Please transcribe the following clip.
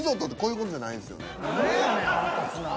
何やねん腹立つなぁ。